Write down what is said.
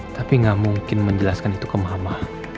tapi gak mungkin menjelaskan itu ke mama